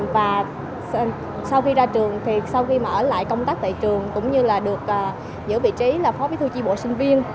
và sau khi ra trường thì sau khi mở lại công tác tại trường cũng như là được giữ vị trí là phó bí thư tri bộ sinh viên